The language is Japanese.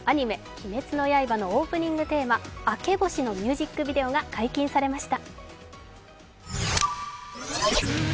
「鬼滅の刃」のオープニングテーマ、「明け星」のミュージックビデオが解禁されました。